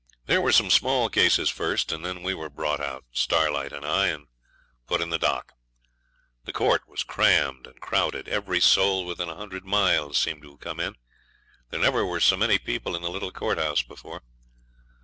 There were some small cases first, and then we were brought out, Starlight and I, and put in the dock. The court was crammed and crowded; every soul within a hundred miles seemed to have come in; there never were so many people in the little courthouse before.